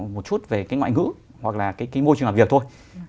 một chút về cái ngoại ngữ hoặc là cái môi trường làm việc thôi